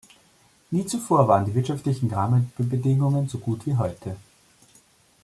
Nie zuvor waren die wirtschaftlichen Rahmenbedingungen so gut wie heute.